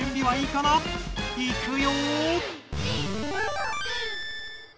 いくよ！